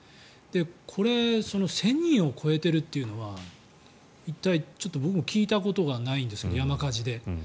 これ、１０００人を超えてるというのは一体僕も聞いたことがないんですが山火事で。